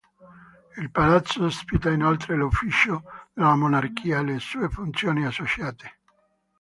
Il palazzo ospita inoltre l'ufficio della monarchia e le sue funzioni associate.